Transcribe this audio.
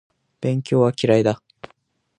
勉強は嫌いだ